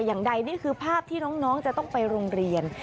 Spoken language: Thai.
อย่างใดนี่คือภาพที่น้องจะต้องไปโรงเรียน